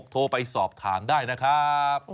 ๐๘๙๖๑๖๑๕๔๖โทรไปสอบถามได้นะครับ